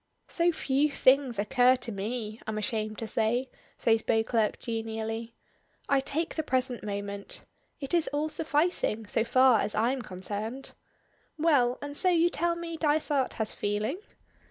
"So few things occur to me, I'm ashamed to say," says Beauclerk, genially. "I take the present moment. It is all sufficing, so far as I'm concerned. Well; and so you tell me Dysart has feeling?"